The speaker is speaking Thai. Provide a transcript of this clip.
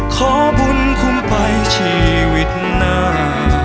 ขอบุญคุ้มไปชีวิตหน้า